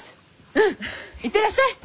うん行ってらっしゃい！